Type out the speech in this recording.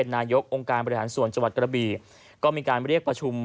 นายกองค์การบริหารส่วนจังหวัดกระบีก็มีการเรียกประชุม